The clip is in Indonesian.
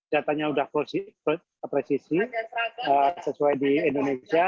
datanya sudah presisi sesuai di indonesia